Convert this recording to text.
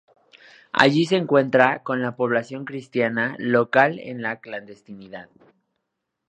Allí se encuentra con la población cristiana local en la clandestinidad.